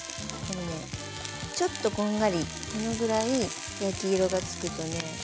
ちょっとこんがりこのぐらい焼き色がつくとね